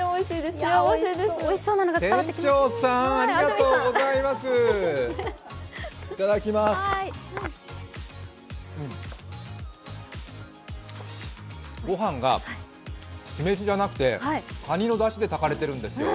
おいしい、ごはんが酢飯じゃなくてかにのだしで炊かれてるんですよ。